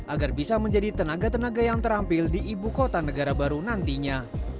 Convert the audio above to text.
agar bisa menjadi tenaga tenaga yang terampil di ibu kota negara baru nantinya